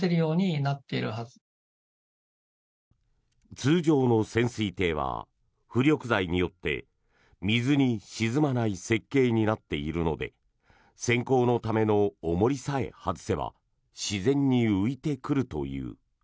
通常の潜水艇は浮力材によって水に沈まない設計になっているので潜航のための重りさえ外せば自然に浮いてくるという。